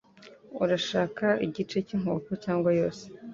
Urashaka igice cyinkoko cyangwa yose